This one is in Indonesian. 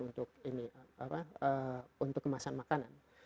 untuk kemasan makanan